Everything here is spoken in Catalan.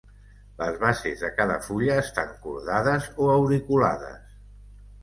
Les bases de cada fulla estan cordades o auriculades.